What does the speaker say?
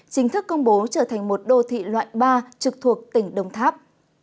chính thức công bố trở thành một đô thị loại ba trực thuộc tỉnh đồng tháp